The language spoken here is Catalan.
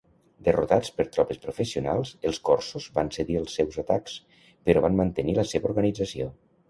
Derrotats per tropes professionals, els corsos van cedir els seus atacs, però van mantenir la seva organització.